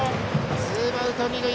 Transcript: ツーアウト二塁